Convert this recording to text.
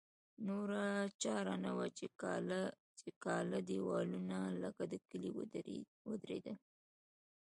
نوره چاره نه وه چې کاله دېوالونه لکه د کلي ودرېدل.